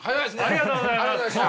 ありがとうございます。